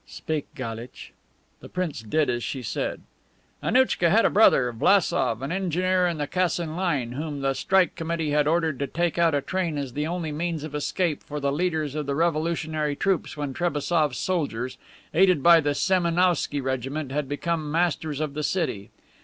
"Speak, Galitch." The Prince did as she said. "Annouchka had a brother, Vlassof, an engineer on the Kasan line, whom the Strike Committee had ordered to take out a train as the only means of escape for the leaders of the revolutionary troops when Trebassof's soldiers, aided by the Semenowsky regiment, had become masters of the city.